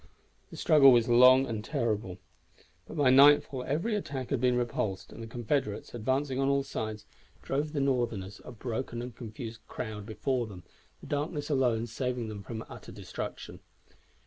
The struggle was long and terrible; but by nightfall every attack had been repulsed, and the Confederates, advancing on all sides, drove the Northerners, a broken and confused crowd, before them, the darkness alone saving them from utter destruction.